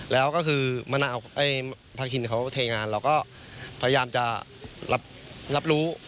แล้วก็คือมะนาวไอ้พระคิณเขาเทงานเราก็พยายามจะรับรู้